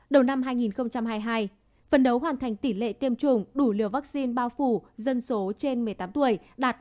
đầu năm hai nghìn hai mươi hai phần đấu hoàn thành tỷ lệ tiêm chủng đủ liều vaccine bao phủ dân số trên một mươi tám tuổi đạt một mươi